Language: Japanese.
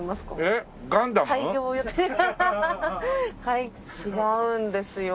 はい違うんですよ。